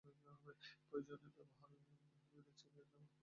প্রয়োজন ও ব্যবহার ভেদে চেক বিভিন্ন প্রকার হয়ে থাকে।